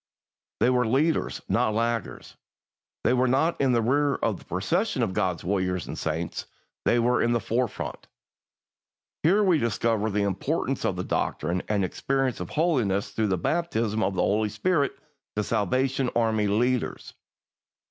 They were leaders, not laggards. They were not in the rear of the procession of God's warriors and saints; they were in the forefront. Here we discover the importance of the doctrine and experience of holiness through the baptism of the Holy Spirit to Salvation Army leaders.